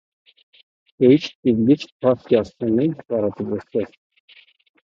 Böyük Birlik Partiyasının yaradıcısı.